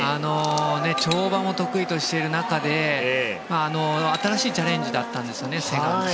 跳馬も得意としている中で新しいチャレンジだったんですよね。